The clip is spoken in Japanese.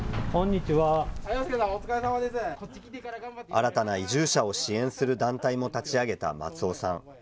新たな移住者を支援する団体も立ち上げた松尾さん。